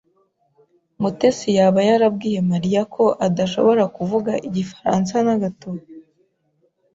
Mutesi yaba yarabwiye Mariya ko adashobora kuvuga igifaransa na gato?